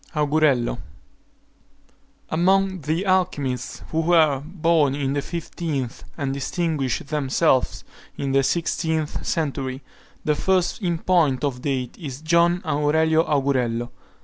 AUGURELLO. Among the alchymists who were born in the fifteenth, and distinguished themselves in the sixteenth century, the first in point of date is John Aurelio Augurello.